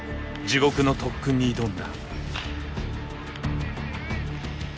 地獄の特訓に挑んだ。